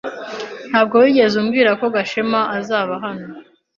Ntabwo wigeze umbwira ko Gashema azaba hano.